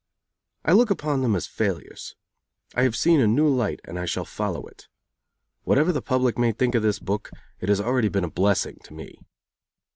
I look upon them as failures. I have seen a new light and I shall follow it. Whatever the public may think of this book, it has already been a blessing to me.